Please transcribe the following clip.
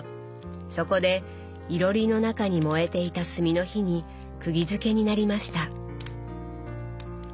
そこでいろりの中に燃えていた炭の火にくぎづけになりました。